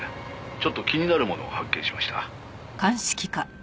ちょっと気になるものを発見しました」